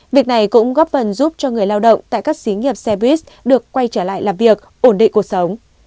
việc này cũng góp phần giúp cho người lao động tại các xí nghiệp xe buýt được quay trở lại làm việc ổn định cuộc sống